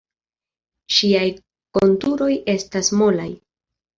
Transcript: Ŝiaj konturoj estas molaj.